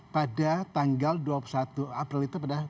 pada tanggal dua puluh satu april itu pada